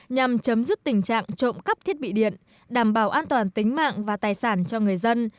nhằm chấm dứt tình trạng trộm cắp thiết bị điện đảm bảo an toàn tính mạng và tài sản cho người dân